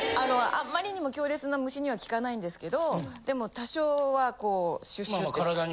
あんまりにも強烈な虫には効かないんですけどでも多少はこうシュッシュッてしておけば。